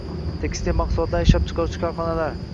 Tekstil mahsulotlarini ishlab chiqaruvchi korxonalar